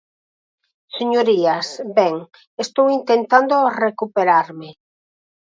Señorías, ben, estou intentando recuperarme.